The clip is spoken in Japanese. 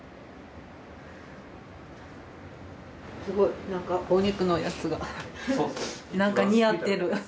すごい何かお肉のやつが何か似合ってる。